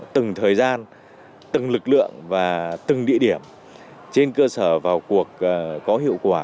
từng thời gian từng lực lượng và từng địa điểm trên cơ sở vào cuộc có hiệu quả